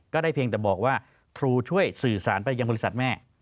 เพียงแต่บอกว่าครูช่วยสื่อสารไปยังบริษัทแม่